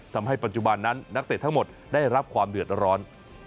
ทำให้ปัจจุบันนั้นนักเตะทั้งหมดได้รับความเดือดร้อน